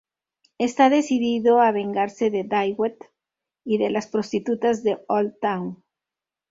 Está decidido a vengarse de Dwight y de las prostitutas de Old Town.